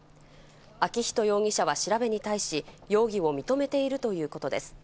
昭仁容疑者は調べに対し、容疑を認めているということです。